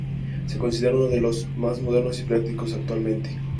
Se considera uno de los más modernos y prácticos actualmente.